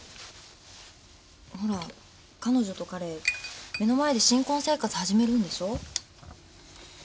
ほら彼女と彼目の前で新婚生活始めるんでしょ？